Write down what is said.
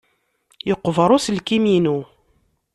Yeqber uselkim-inu.